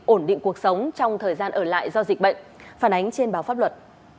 ổn định cuộc sống trong thời gian ở lại do dịch bệnh phản ánh trên báo pháp luật